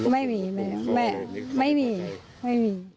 ไม่มีแม่ไม่มีไม่มี